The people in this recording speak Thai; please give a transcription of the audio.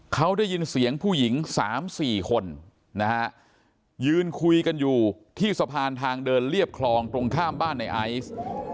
เขาได้ยินเสียงผู้หญิง๓๔คนนะฮะยืนคุยกันอยู่ที่สะพานทางเดินเรียบคลองตรงข้ามบ้านในไอซ์